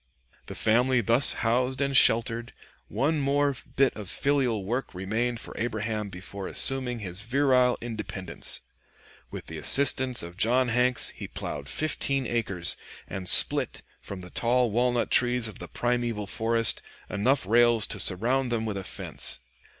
The family thus housed and sheltered, one more bit of filial work remained for Abraham before assuming his virile independence. With the assistance of John Hanks he plowed fifteen acres, and split, from the tall walnut trees of the primeval forest, enough rails to surround them with a fence.